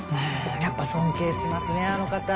やっぱり尊敬しますね、あの方。